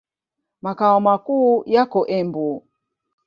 Makao makuu yako Embu.